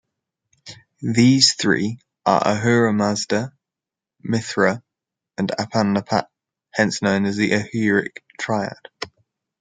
These three are Ahura Mazda, Mithra, and Apam Napat-hence known as the "Ahuric triad".